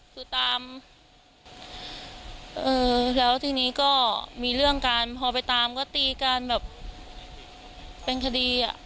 คือตามเออแล้วทีนี้ก็มีเรื่องการพอไปตามก็ตีกันแบบเป็นคดีอ่ะ